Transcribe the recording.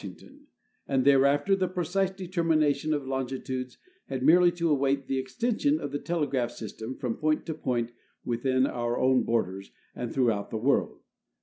COAST SURVEY 297 ington, and thereafter the precise determination of longitudes had merely to await the extension of the telegraph system from point to point within our own borders and throughout the world.